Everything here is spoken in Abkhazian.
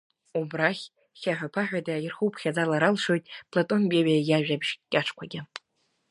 Убрахь хьаҳәа-ԥаҳәада, ирхуԥхьаӡалар алшоит Платон Бебиа иажәабжь кьаҿқәагьы.